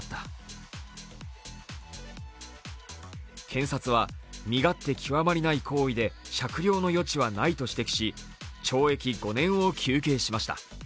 検察は身勝手極まりない行為で酌量の余地はないと指摘し懲役５年を求刑しました。